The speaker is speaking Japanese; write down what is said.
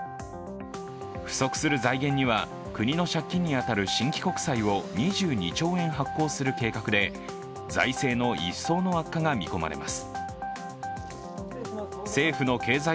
不足する財源には国の借金に当たる新規国債を２２兆円発行する計画で財政の一層の悪化が見込まれます。